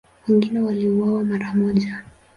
Wengine waliuawa mara moja.